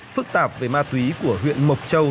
phức tạp về ma túy của huyện mộc trọng